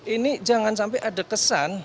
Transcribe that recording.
ini jangan sampai ada kesan